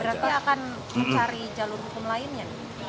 berarti akan mencari jalur hukum lainnya